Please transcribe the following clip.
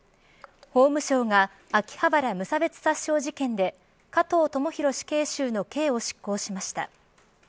法務省が秋葉原無差別殺傷事件で加藤智大死刑囚の刑を執行しました。